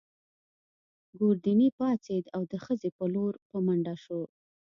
ګوردیني پاڅېد او د خزې په لور په منډه شو.